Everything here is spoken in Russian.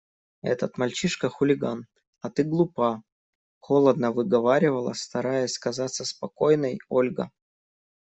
Этот мальчишка – хулиган, а ты глупа, – холодно выговаривала, стараясь казаться спокойной, Ольга.